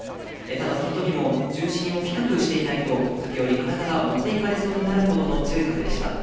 ただ、そのときも重心を低くしていないと、時折、体が持っていかれそうになるほどの強い風でした。